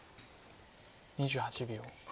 ２８秒。